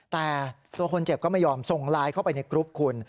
แต่ตัวคนเจ็บก็ไม่ยอมส่งไลน์เข้าไปในกรุ๊ปคุณ